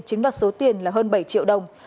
chính đoạt số tiền là hơn bảy triệu đồng